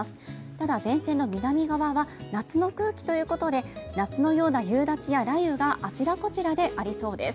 ただ、前線の南側は夏の空気ということで、夏のような夕立は雷雨があちらこちらでありそうです。